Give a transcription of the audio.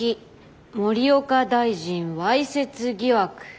森岡大臣わいせつ疑惑！」。